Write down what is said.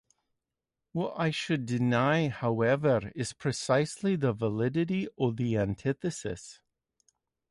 What I should deny, however, is precisely the validity of the antithesis.